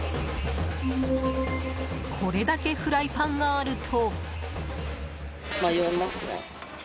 これだけフライパンがあると。